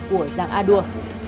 của giàng a đua